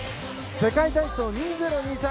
世界体操２０２３。